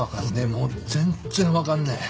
もう全然分かんねえ。